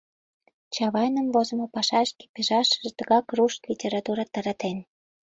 Чавайным возымо пашашке пижашыже тыгак руш литературат таратен.